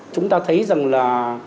chúng ta thấy rằng là